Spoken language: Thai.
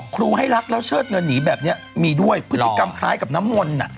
ครูให้รักแล้วเชิดเงินหนีแบบนี้มีด้วยพฤติกรรมคล้ายกับน้ำมนต์